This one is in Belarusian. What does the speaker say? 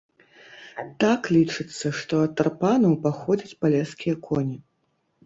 Так, лічыцца, што ад тарпанаў паходзяць палескія коні.